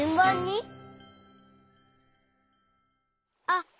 あっ！